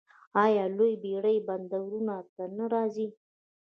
آیا لویې بیړۍ بندرونو ته نه راځي؟